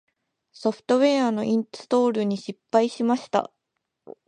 ソフトウェアのインストールに失敗しました。